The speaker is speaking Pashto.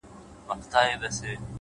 o اوس لا د گرانښت څو ټكي پـاتــه دي،